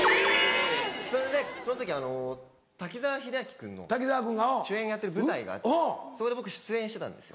それでその時滝沢秀明君の主演やってる舞台があってそこで僕出演してたんですよ。